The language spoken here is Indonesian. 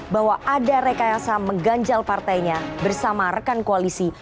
bahwa ada rekayasa mengganjal partainya bersama rekan koalisi